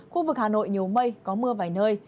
khu vực hà nội nhiều mây có mưa vài nơi